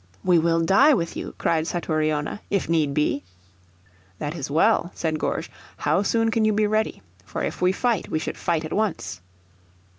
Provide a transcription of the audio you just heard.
"We will die with you," cried Satouriona, "if need be." "That is well," said Gourges. "How soon can you be ready? For if we fight we should fight at once."